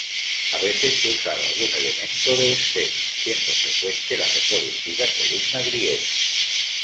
A veces se usaba algún elemento de escena, siendo frecuente la reproducida columna griega.